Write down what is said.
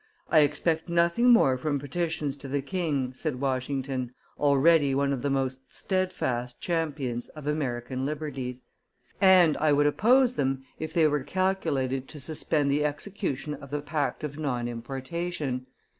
"I expect nothing more from petitions to the king," said Washington, already one of the most steadfast champions of American liberties, "and I would oppose them if they were calculated to suspend the execution of the pact of non importation.